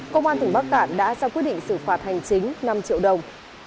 công an tỉnh bắc cạn đã ra quyết định xử phạt hành chính năm triệu đồng